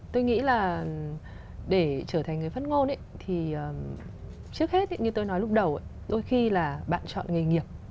tôi nghĩ là để trở thành người phát ngôn thì trước hết như tôi nói lúc đầu đôi khi là bạn chọn nghề nghiệp